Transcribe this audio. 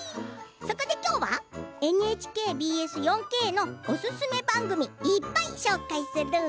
そこで今日はＮＨＫＢＳ４Ｋのおすすめ番組いっぱい紹介する。